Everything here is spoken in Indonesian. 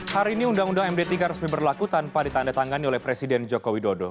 hari ini undang undang md tiga resmi berlaku tanpa ditandatangani oleh presiden joko widodo